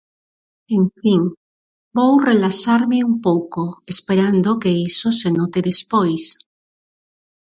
En fin, vou relaxarme un pouco, esperando que iso se note despois.